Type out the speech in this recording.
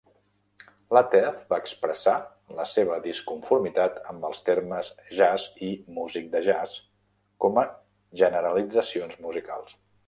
Lateef va expressar la seva disconformitat amb els termes "jazz" i "músic de jazz" com a generalitzacions musicals.